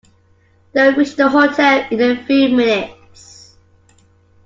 They reached the hotel in a few minutes.